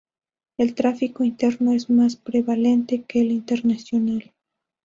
El tráfico interno es más prevalente que el internacional.